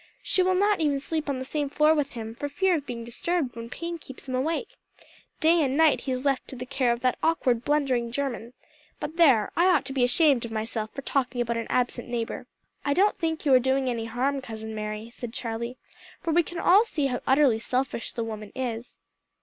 "She will not even sleep on the same floor with him, for fear of being disturbed when pain keeps him awake. Day and night he is left to the care of that awkward, blundering German. But there! I ought to be ashamed of myself for talking about an absent neighbor." "I don't think you are doing any harm, Cousin Mary," said Charlie, "for we can all see how utterly selfish the woman is."